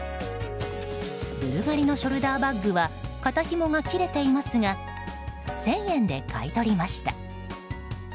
ブルガリのショルダーバッグは肩ひもが切れていますが１０００円で買い取りました。